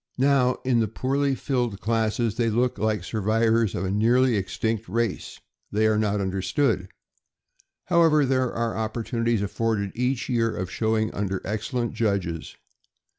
Now, in the poorly filled classes, they look like survivors of a nearly extinct race. They are not understood. However, there are opportuni ties afforded each year of showing under excellent judges.